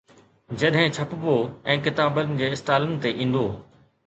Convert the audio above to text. جڏهن ڇپبو ۽ ڪتابن جي اسٽالن تي ايندو.